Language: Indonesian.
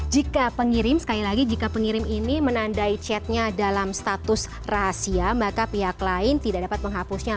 jika pengirim sekali lagi jika pengirim ini menandai chatnya dalam status rahasia maka pihak lain tidak dapat menghapusnya